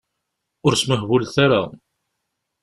Ur smuhbulet ara.